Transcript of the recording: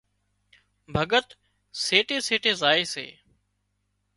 ڀڳت سيٽي سيٽي زائي سي